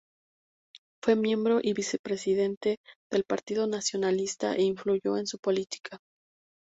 Fue miembro y vicepresidente del Partido Nacionalista e influyó en su política.